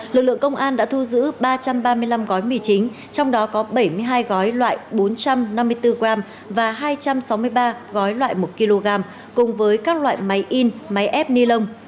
lực lượng công an đã thu giữ ba trăm ba mươi năm gói mì chính trong đó có bảy mươi hai gói loại bốn trăm năm mươi bốn g và hai trăm sáu mươi ba gói loại một kg cùng với các loại máy in máy ép ni lông